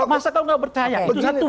masa kau gak bertanya itu satu